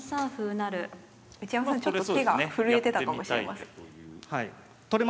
内山さんちょっと手が震えてたかもしれません。